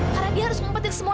karena dia harus ngumpetin semua